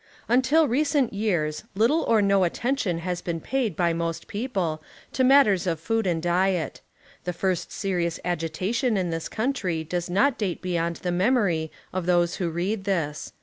Until recent years little or no attention has been paid by most people to matters of food and diet; the first serious agita tion in this country does not date beyond the memory of those who read this.